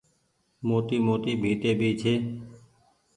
موٽي موٽي ڀيتي ڀي ڇي ۔